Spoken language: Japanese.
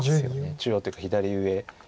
中央というか左上。